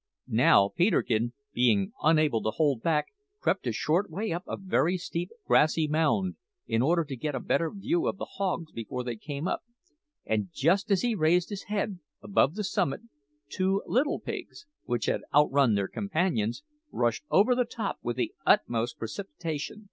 Now Peterkin, being unable to hold back, crept a short way up a very steep grassy mound in order to get a better view of the hogs before they came up; and just as he raised his head above its summit, two little pigs, which had outrun their companions, rushed over the top with the utmost precipitation.